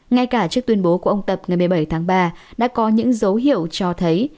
ngay cả trước tuyên bố của ông tập ngày một mươi bảy tháng ba đã có những dấu hiệu cho thấy